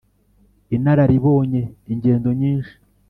inararibonye, ingendo nyinshi.